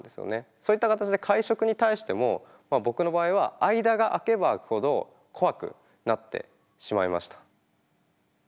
そういった形で会食に対しても僕の場合は間が空けば空くほど怖くなってしまいました。